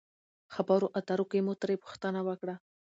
خبرو اترو کښې مو ترې پوښتنه وکړه